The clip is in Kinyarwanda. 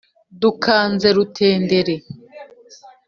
dukanze rutenderi